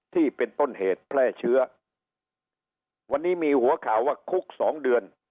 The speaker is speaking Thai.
ที่เป็นต้นเหตุแพร่เชื้อวันนี้มีหัวข่าวว่าคุกสองเดือน